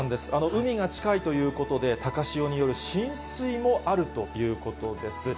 海が近いということで、高潮による浸水もあるということです。